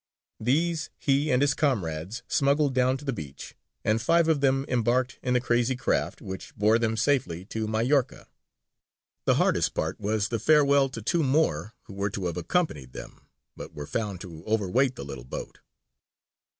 These he and his comrades smuggled down to the beach, and five of them embarked in the crazy craft, which bore them safely to Majorca. The hardest part was the farewell to two more who were to have accompanied them, but were found to overweight the little boat.